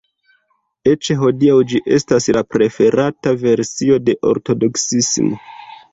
Eĉ hodiaŭ, ĝi estas la preferata versio de ortodoksismo.